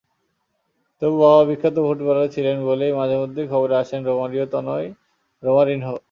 তবু বাবা বিখ্যাত ফুটবলার ছিলেন বলেই মাঝেমধ্যেই খবরে আসেন রোমারিও-তনয় রোমারিনহো।